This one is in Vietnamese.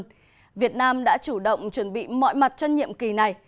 chủ tịch asean hai nghìn hai mươi sẽ chủ động chuẩn bị mọi mặt cho nhiệm kỳ này